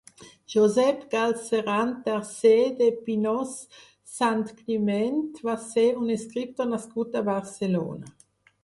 Josep Galceran tercer de Pinós-Santcliment va ser un escriptor nascut a Barcelona.